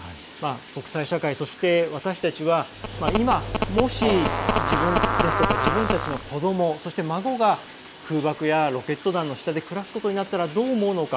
国際社会、そして私たちは今、もし自分ですとか自分たちの子どもそして、孫が空爆やロケット弾の下で暮らすことになったらどう思うのか。